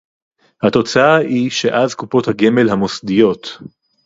התוצאה היא שאז קופות הגמל המוסדיות